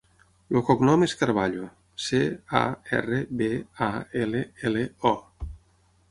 El cognom és Carballo: ce, a, erra, be, a, ela, ela, o.